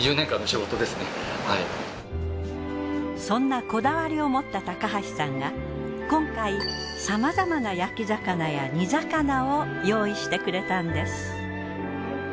そんなこだわりを持った高橋さんが今回さまざまな焼き魚や煮魚を用意してくれたんです。